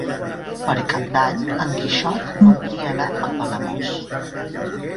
Per Cap d'Any en Quixot voldria anar a Palamós.